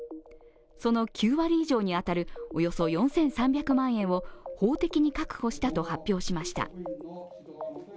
その９割以上に当たるおよそ４３００万円を法的に確保したと発表しました。